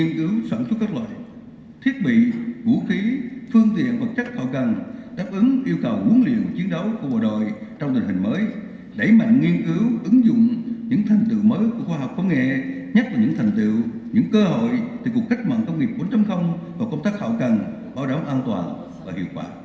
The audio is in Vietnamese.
nhất là những thành tựu những cơ hội từ cuộc cách mạng công nghiệp bốn và công tác hậu cần bảo đảm an toàn và hiệu quả